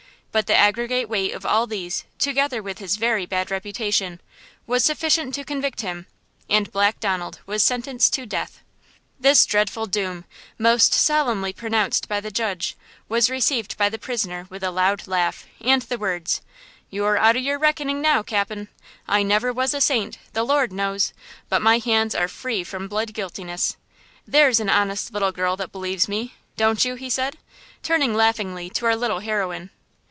But the aggregate weight of all these, together with his very bad reputation, was sufficient to convict him, and Black Donald was sentenced to death. This dreadful doom, most solemnly pronounced by the judge was received by the prisoner with a loud laugh, and the words: "You're out o' your reckoning now, cap'n! I never was a saint, the Lord knows, but my hands are free from blood guiltiness! There's an honest little girl that believes me–don't you?" he said, turning laughingly to our little heroine.